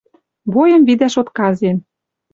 Бойым видӓш отказен.